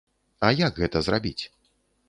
А як гэта зрабіць?